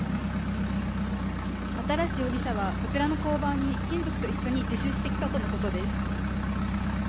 新容疑者はこちらの交番に、親族と一緒に自首してきたとのことです。